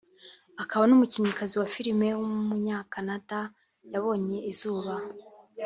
akaba n’umukinnyikazi wa film w’umunya-Canada yabonye izuba